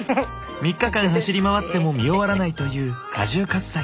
３日間走り回っても見終わらないというカジューカス祭。